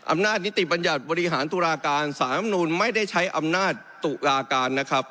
นิติบัญญัติบริหารตุลาการสารรัฐมนุนไม่ได้ใช้อำนาจตุลาการนะครับ